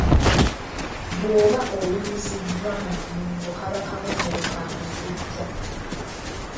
Bwoba olumizibwa mu nnyingo kaba kabonero ka musujja.